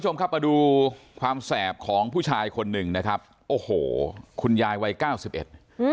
มาดูความแสบของผู้ชายคนหนึ่งนะครับโอ้โหคุณยายวัยเก้าสิบเอ็ด